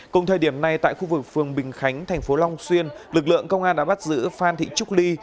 cùng thời điểm này tại khu vực phường bình khánh thành phố long xuyên lực lượng công an đã bắt giữ phan thị trúc ly